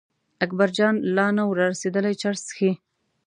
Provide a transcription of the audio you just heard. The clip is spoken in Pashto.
اکبرجان لا نه و را رسېدلی چرس څښي.